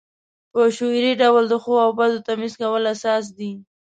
په شعوري ډول د ښو او بدو تمیز کول اساس دی.